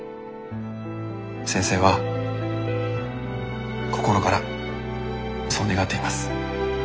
先生は心からそう願っています。